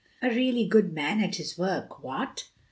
"A really good man at his work what?"